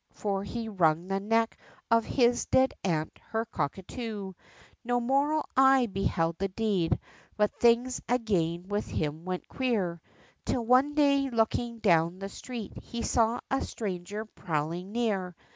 for he wrung the neck of his dead aunt, her cockatoo, No mortal eye beheld the deed; but things again with him went queer, Till one day looking down the street, he saw a stranger prowling near.